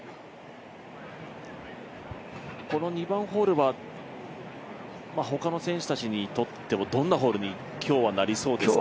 この２番ホールは他の選手たちにとってどんなホールに今日はなりそうですか。